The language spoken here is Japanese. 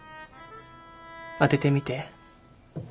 当ててみて。